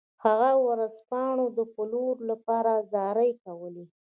هغه د ورځپاڼو د پلورلو لپاره زارۍ کولې.